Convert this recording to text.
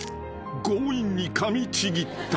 強引にかみちぎった］